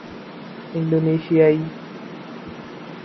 انڈونیثیائی